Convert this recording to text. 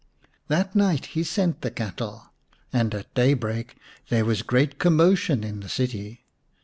That night he sent the cattle, and at day break there was great commotion in the city.